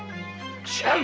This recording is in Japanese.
知らん！